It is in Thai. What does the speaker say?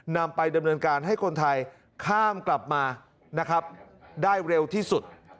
นำไปดำเนินการให้คนไทยข้ามกลับมานะครับได้เร็วที่สุด